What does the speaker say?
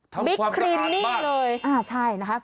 ทำความสะอาดบ้าน